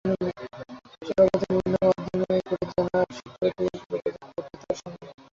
চোরা পথে বিভিন্ন মাধ্যম ব্যবহার করে অজানা সূত্রটি যোগাযোগ করত তাঁর সঙ্গে।